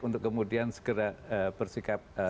untuk kemudian segera bersikap